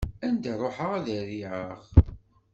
Anda ruḥeɣ, ad riɛeɣ.